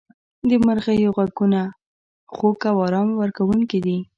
• د مرغیو ږغونه خوږ او آرام ورکوونکي دي.